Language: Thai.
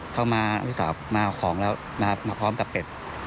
มาลูกสาวมาเอาของแล้วมาพร้อมกับเป็ด